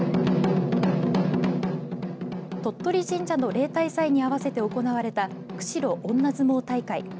鳥取神社の例大祭に合わせて行われた釧路女相撲大会。